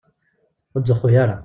Ur ttzuxxu ara.